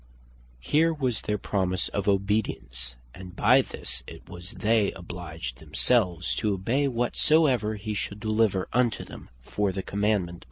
Here was their promise of obedience; and by this it was they obliged themselves to obey whatsoever he should deliver unto them for the Commandement of God.